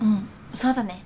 そうだね。